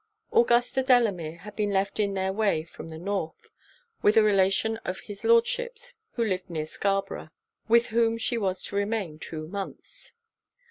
Augusta Delamere had been left in their way from the North, with a relation of his Lordship's who lived near Scarborough, with whom she was to remain two months.